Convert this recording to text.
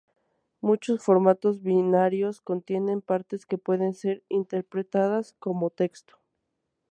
Muchos formatos binarios contienen partes que pueden ser interpretadas como texto.